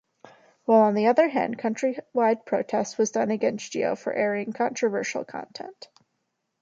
While on other hand countrywide protest was done against Geo for airing controversial content.